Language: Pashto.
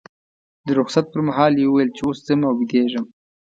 د رخصت پر مهال یې وویل چې اوس ځم او بیدېږم.